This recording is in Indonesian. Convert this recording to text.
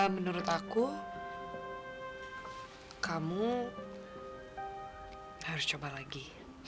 menurut aku kamu harus coba lagi